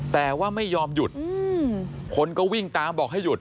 แต่ว่าไม่ยอมหยุดคนก็วิ่งตามบอกให้หยุด